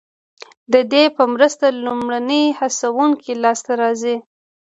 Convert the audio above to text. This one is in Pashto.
ددې په مرسته لومړني هڅوونکي لاسته راځي.